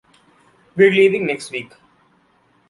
We're leaving next week.